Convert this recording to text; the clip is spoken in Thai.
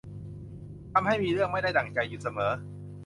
ทำให้มีเรื่องไม่ได้ดั่งใจอยู่เสมอ